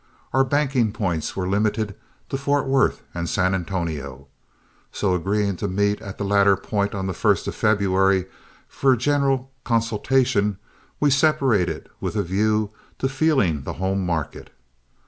Our banking points were limited to Fort Worth and San Antonio, so agreeing to meet at the latter point on the 1st of February for a general consultation, we separated with a view to feeling the home market.